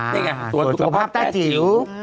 นี่ไงตัวชุโกภาพแต้จิ๋ว